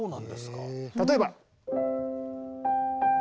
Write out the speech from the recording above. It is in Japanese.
例えば。